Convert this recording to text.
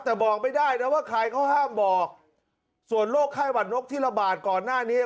แต่บอกไม่ได้นะว่าใครเขาห้ามบอกส่วนโรคไข้หวัดนกที่ระบาดก่อนหน้านี้